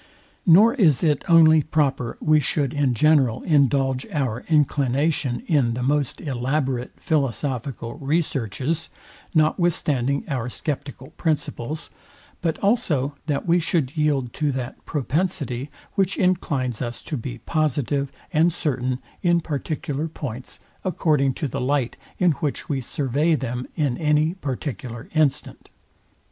Nor is it only proper we should in general indulge our inclination in the most elaborate philosophical researches, notwithstanding our sceptical principles, but also that we should yield to that propensity, which inclines us to be positive and certain in particular points, according to the light, in which we survey them in any particular instant.